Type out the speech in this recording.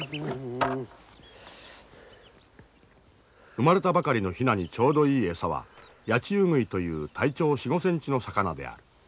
生まれたばかりのヒナにちょうどいい餌はヤチウグイという体長４５ｃｍの魚である。